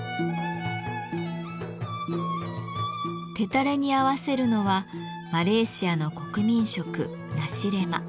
テタレに合わせるのはマレーシアの国民食「ナシレマ」。